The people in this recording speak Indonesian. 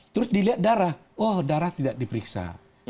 terus dilihat darah oh darah tidak diperiksa